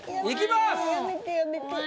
いきます。